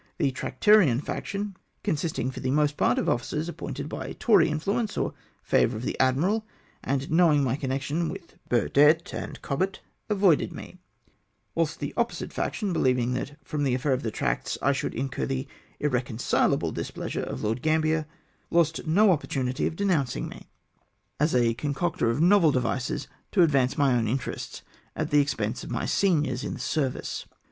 The tractarian faction, consisting for the most part of officers appointed by Tory influence or favour of the Admii al, and knowuig my connection with Burdett and Cobbett, avoided me ; whilst the opposite faction, beheving that from the affair of the tracts I should incur the irreconcilable displeasure of Lord Gambler, lost no opportunity of denouncing me 362 DISSENSIONS IN THE FLEET. as a concocter of novel devices to advance my own interests at the expense of my seniors in the service.